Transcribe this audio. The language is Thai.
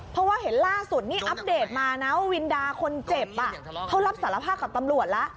เพราะว่าเห็นล่าสุดนี่อัปเดตมานะว่าวินดาคนเจ็บเขารับสารภาพกับตำรวจแล้ว